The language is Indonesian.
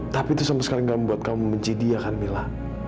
tapi itu sampai sekarang gak membuat kamu membenci dia kan mila